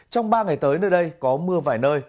trong ba ngày tới nơi đây có mưa vài nơi